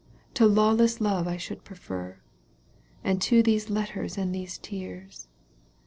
To lawless love I should prefer — And to these letters and these tears.